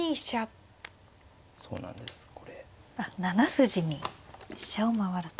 筋に飛車を回ると。